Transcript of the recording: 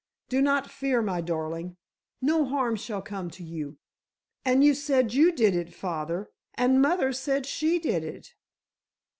Do not fear, my darling, no harm shall come to you." "And you said you did it, father, and mother said she did it."